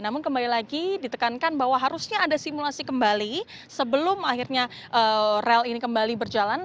namun kembali lagi ditekankan bahwa harusnya ada simulasi kembali sebelum akhirnya rel ini kembali berjalan